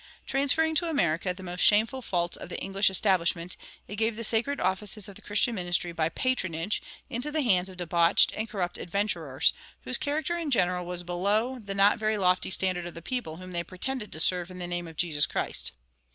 Transferring to America the most shameful faults of the English Establishment, it gave the sacred offices of the Christian ministry by "patronage" into the hands of debauched and corrupt adventurers, whose character in general was below the not very lofty standard of the people whom they pretended to serve in the name of Jesus Christ.